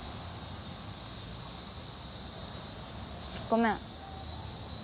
ごめん。